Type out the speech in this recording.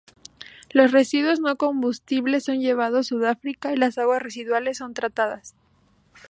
Los residuos no combustibles son llevados Sudáfrica y las aguas residuales son tratadas.